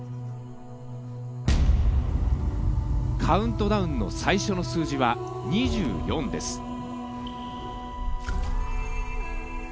カウントダウンの最初の数字は２４です。